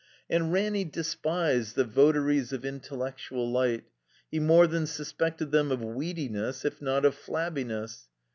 And Ranny despised the votaries of intellectual light ; he more than suspected them of Weediness, if not of Flabbiness.